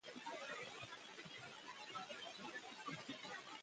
أنا الوليد أبو العباس قد علمت